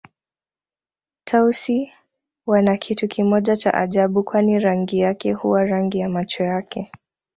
Tausi wana kitu kimoja cha ajabu kwani rangi yake huwa rangi ya macho yake